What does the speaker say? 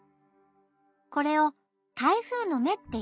これを「台風のめ」っていってね。